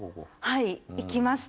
はい行きました。